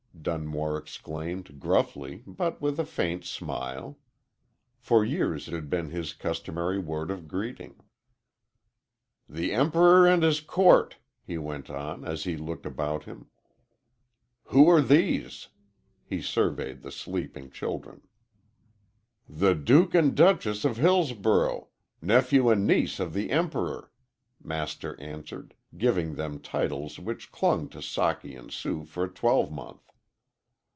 Dunmore exclaimed, gruffly, but with a faint smile. For years it had been his customary word of greeting. "The Emperor and his court!" he went on, as he looked about him. "Who are these?" He surveyed the sleeping children. "The Duke and Duchess of Hillsborough nephew and niece of the Emperor," Master answered, giving them titles which clung to Socky and Sue for a twelvemonth.